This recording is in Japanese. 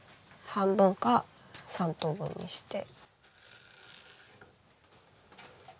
半分か３等分にして。